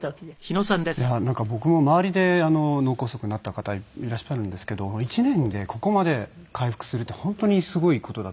僕も周りで脳梗塞になった方がいらっしゃるんですけど１年でここまで回復するって本当にすごい事だと。